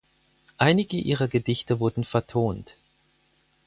Einige ihrer Gedichte wurden vertont.